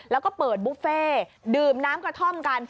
แล้วก็เปิดบุฟเฟ่ดื่มน้ำกระท่อมกัน